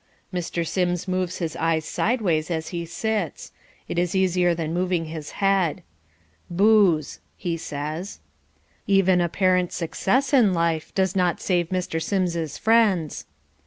Mr. Sims moves his eyes sideways as he sits. It is easier than moving his head. "Booze," he says. Even apparent success in life does not save Mr. Sims's friends.